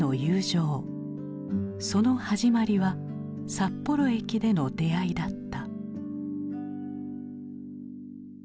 その始まりは札幌駅での出会いだった。